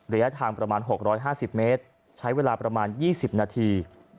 ระยะทางประมาณ๖๕๐เมตรใช้เวลาประมาณ๒๐นาที